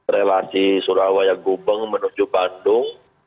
relasi surabaya gubeng menuju bandung